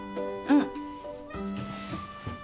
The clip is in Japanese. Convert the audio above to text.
うん。